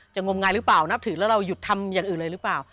งมงายหรือเปล่านับถือแล้วเราหยุดทำอย่างอื่นเลยหรือเปล่า